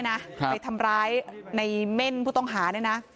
ไปทำร้ายในเม่นผู้ต้องหาเนี่ยนะ